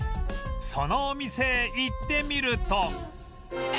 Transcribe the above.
そのお店へ行ってみると